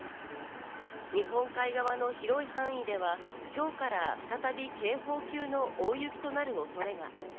日本海側の広い範囲では今日から再び警報級の大雪となる恐れが。